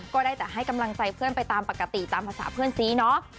ก็ได้แต่ให้กำลังใจเพื่อนไปตามปกติตามภาษาเพื่อนซีเนาะ